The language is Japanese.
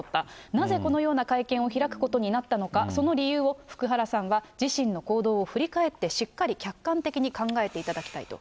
なぜこのような会見を開くことになったのか、その理由を福原さんは、自身の行動を振り返って、しっかり客観的に考えていただきたいと。